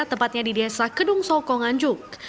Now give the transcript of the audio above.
tepatnya di desa kedungsok nganjuk